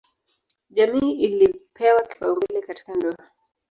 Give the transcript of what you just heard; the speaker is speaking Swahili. Jamii ilipewa kipaumbele katika ndoa.